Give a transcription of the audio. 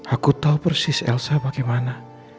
aku tahu persis elsa bagaimana